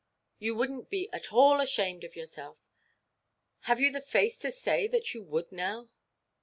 You wouldnʼt be at all ashamed of yourself. Have you the face to say that you would, now?"